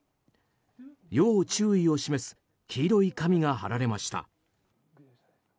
要注意を示す黄色い紙が貼られました。